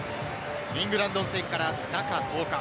イングランド戦から中１０日。